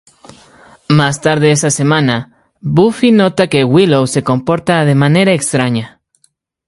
Más tarde esa semana, Buffy nota que Willow se comporta de manera extraña.